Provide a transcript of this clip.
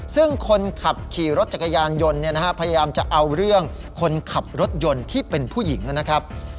ซึ่งคนขับขี่รถจักรยานยนต์พยายามจะเอาเรื่องคนขับรถยนต์ที่เป็นผู้หญิงนะครับ